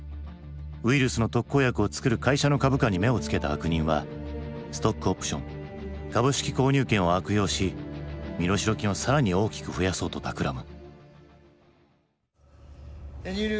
ウイルスの特効薬を作る会社の株価に目を付けた悪人はストックオプション株式購入権を悪用し身代金を更に大きく増やそうとたくらむ。